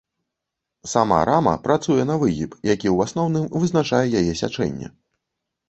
Сама рама працуе на выгіб, які ў асноўным вызначае яе сячэнне.